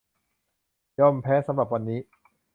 ยอมแพ้สำหรับวันนี้